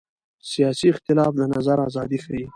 سیاسي اختلاف د نظر ازادي ښيي